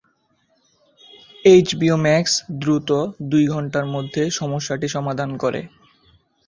HBO Max দ্রুত দুই ঘন্টার মধ্যে সমস্যাটি সমাধান করে।